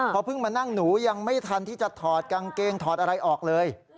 พอเพิ่งมานั่งหนูยังไม่ทันที่จะถอดกางเกงถอดอะไรออกเลย